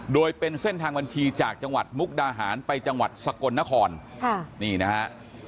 โดยเป็นเส้นทางบัญชีจากจังหวัดมุกดาหารไปจังหวัดสกลนครค่ะนี่นะฮะ